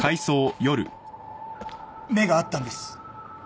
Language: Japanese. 目が合ったんです。